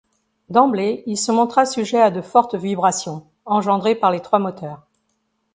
D'emblée, il se montra sujet à de fortes vibrations, engendrées par les trois moteurs.